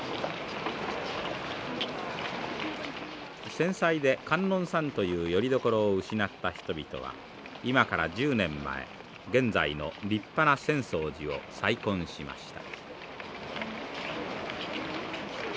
戦災で観音さんというよりどころを失った人々は今から１０年前現在の立派な浅草寺を再建しました。